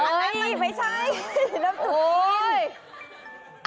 เอ้ยไม่ใช่นับถูกจริงโอ๊ย